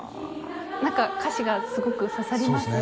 何か歌詞がすごく刺さりますね